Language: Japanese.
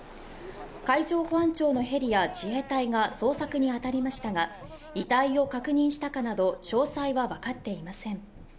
海上保安庁のヘリや自衛隊が捜索に当たりましたが遺体を確認したかなど詳細は分かっていません。